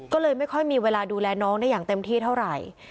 ก็เลยไม่ค่อยมีเวลาดูแลน้องได้อย่างเต็มที่เท่าไหร่